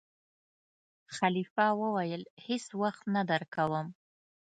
خلیفه وویل: هېڅ وخت نه درکووم.